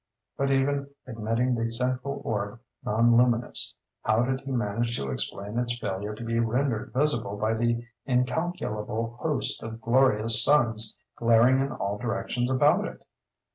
But even admitting the central orb non luminous, how did he manage to explain its failure to be rendered visible by the incalculable host of glorious suns glaring in all directions about it?